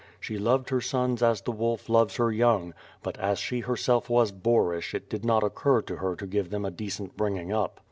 She loved her sons as the wolf loves her young, but as she herself was boorish it did not occur to her to give them a decent bringing up.